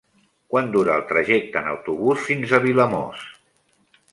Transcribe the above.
Quant dura el trajecte en autobús fins a Vilamòs?